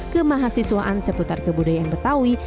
kemahasiswaan seputar kebudayaan betawi